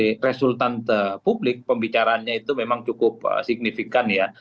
jadi resultant publik pembicaranya itu memang cukup signifikan ya